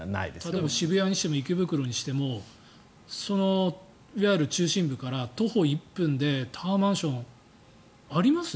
例えば渋谷にしても池袋にしてもいわゆる中心部から徒歩１分でタワーマンション、あります？